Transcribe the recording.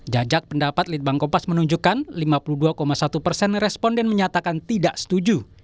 jajak pendapat litbang kompas menunjukkan lima puluh dua satu persen responden menyatakan tidak setuju